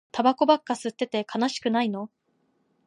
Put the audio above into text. タバコばっか吸ってて悲しくないの